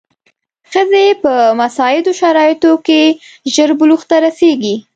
ښځې په مساعدو شرایطو کې ژر بلوغ ته رسېږي.